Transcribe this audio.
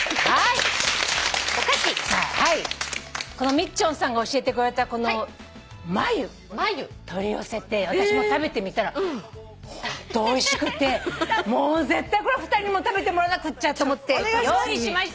みっちょんさんが教えてくれたまゆ取り寄せて私も食べてみたらホントおいしくてもう絶対これ２人にも食べてもらわなくっちゃと思って用意しましたよ。